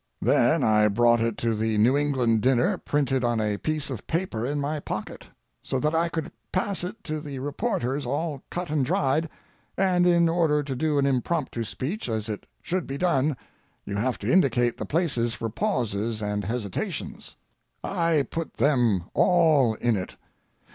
Then I brought it to the New England dinner printed on a piece of paper in my pocket, so that I could pass it to the reporters all cut and dried, and in order to do an impromptu speech as it should be done you have to indicate the places for pauses and hesitations. I put them all in it.